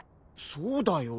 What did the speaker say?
そうだよ。